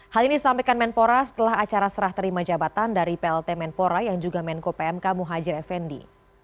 hal ini disampaikan menpora setelah acara serah terima jabatan dari plt menpora yang juga menko pmk muhajir effendi